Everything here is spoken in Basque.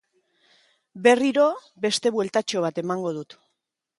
Berriro beste bueltatxo bat emango dut.